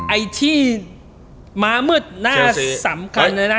ไอ้ที่มามืดหน้าสำคัญเลยนะ